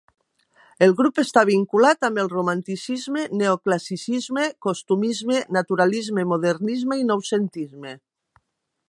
El grup està vinculat amb el Romanticisme, Neoclassicisme, Costumisme, Naturalisme, Modernisme i Noucentisme.